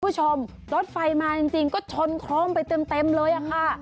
คุณผู้ชมรถไฟมาจริงก็ชนคล้อมไปเต็มเลยอะค่ะ